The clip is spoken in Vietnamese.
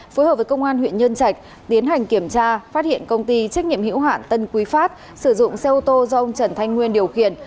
phối hợp với công an huyện nhân trạch tiến hành kiểm tra phát hiện công ty trách nhiệm hữu hạn tân quý phát sử dụng xe ô tô do ông trần thanh nguyên điều khiển